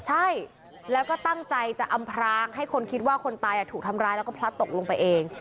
ใช่แล้วก็ตั้งใจจะอำพรางให้คนคิดว่าคนตายถูกทำร้ายแล้วก็พลัดตกลงไปเอง